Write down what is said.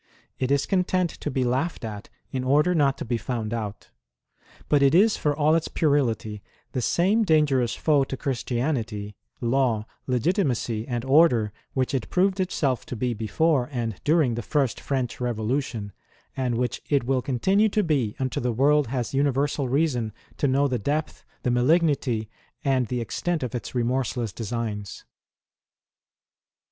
It is content to be laughed at, in order not to be found out. But it is for all its puerility, the same dangerous foe to Chris tianity, law, legitimacy, and order, Avhich it proved itself to be before and during the first French Revolution, and which it will continue to be until the world has universal reason to know the depth, the malignity, and the extent of its remorseless designs.